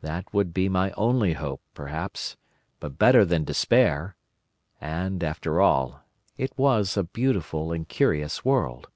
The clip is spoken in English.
That would be my only hope, a poor hope, perhaps, but better than despair. And, after all, it was a beautiful and curious world.